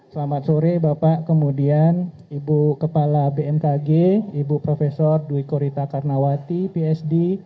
selamat sore bapak kemudian ibu kepala bmkg ibu prof dwi korita karnawati psd